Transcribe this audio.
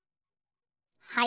はい。